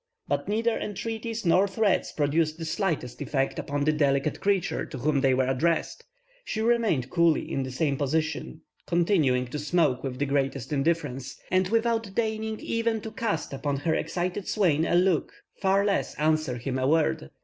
But neither entreaties nor threats produced the slightest effect upon the delicate creature to whom they were addressed; she remained coolly in the same position, continuing to smoke with the greatest indifference, and without deigning even to cast upon her excited swain a look, far less answer him a word.